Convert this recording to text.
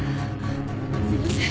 すいません。